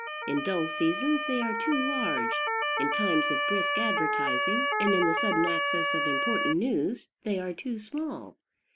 In dull seasons they are too large; in times of brisk advertising, and in the sudden access of important news, they are too small.